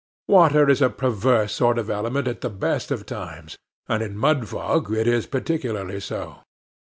Water is a perverse sort of element at the best of times, and in Mudfog it is particularly so.